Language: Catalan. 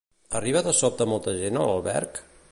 Arriba de sobte molta gent a l'alberg?